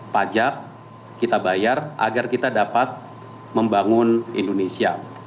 pajak kita bayar agar kita dapat membangun indonesia